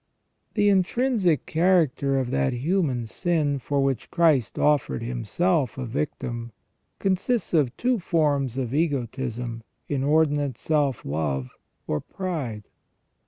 The intrinsic character of that human sin for which Christ offered himself a victim, consists of two forms of egotism, inordinate self love, or pride.